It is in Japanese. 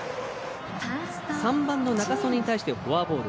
３番の仲宗根に対してフォアボール。